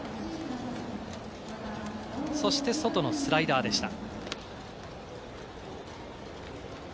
そして外のスライダーでした。